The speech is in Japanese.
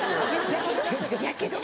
やけど？